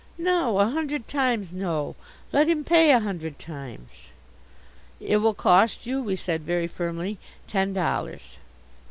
No, a hundred times no. Let him pay a hundred times. "It will cost you," we said very firmly, "ten dollars."